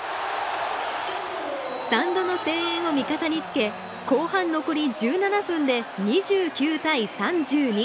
スタンドの声援を味方につけ後半残り１７分で２９対３２。